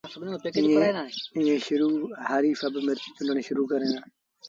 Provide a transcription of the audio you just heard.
ائيٚݩ پو هآريٚ مرچ چُونڊڻ شرو ڪين دآ